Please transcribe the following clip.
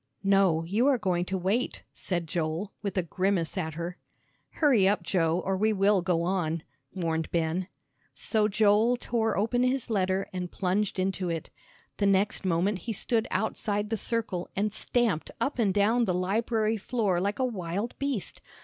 "No, you are going to wait," said Joel, with a grimace at her. "Hurry up, Joe, or we will go on," warned Ben. So Joel tore open his letter and plunged into it. The next moment he stood outside the circle and stamped up and down the library floor like a wild beast.